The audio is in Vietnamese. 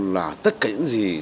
là tất cả những gì